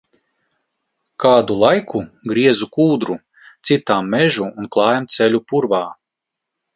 Kādu laiku griezu kūdru, cirtām mežu un klājām ceļu purvā.